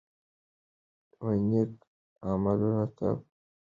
نیک عملونه تل پاتې کیږي.